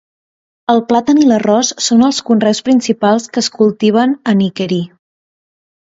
El plàtan i l'arròs són els conreus principals que es cultiven a Nickerie.